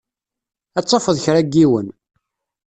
Ad tafeḍ kra n yiwen.